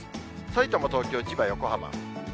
さいたま、東京、千葉、横浜。